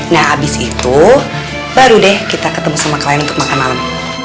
nah abis itu baru deh kita ketemu sama klien untuk makan malam